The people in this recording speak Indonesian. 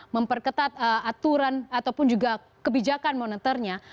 memperketat aturan ataupun juga kebijakan moneternya